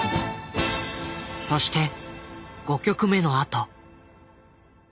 そして５曲目のあと。